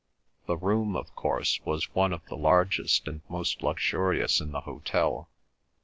The room, of course, was one of the largest and most luxurious in the hotel.